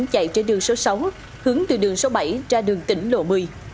chạy trên đường số sáu hướng từ đường số bảy ra đường tỉnh lộ một mươi